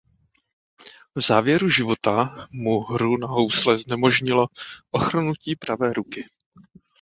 V závěru života mu hru na housle znemožnilo ochrnutí pravé ruky.